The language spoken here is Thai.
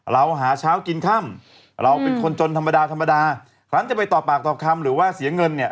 เราหาเช้ากินค่ำเราเป็นคนจนธรรมดาธรรมดาครั้งจะไปต่อปากต่อคำหรือว่าเสียเงินเนี่ย